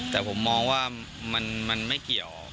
แต่ผมมองว่ามันไม่เกี่ยว